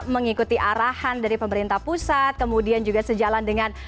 mengikuti arahan dari pemerintah pusat kemudian juga sejalan dengan